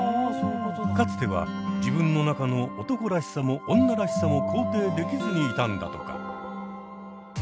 かつては自分の中の男らしさも女らしさも肯定できずにいたんだとか。